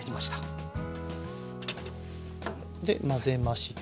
で混ぜまして。